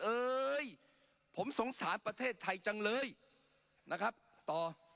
เอ้ยผมสงสารประเทศไทยจังเลยนะครับต่อ